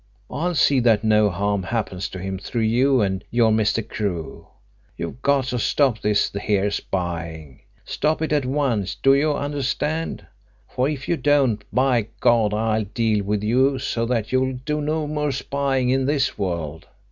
I'll see that no harm happens to him through you and your Mr. Crewe. You've got to stop this here spying. Stop it at once, do you understand? For if you don't, by God, I'll deal with you so that you'll do no more spying in this world!